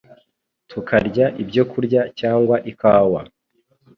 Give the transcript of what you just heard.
tukarya ibyokurya cyangwa ikawa,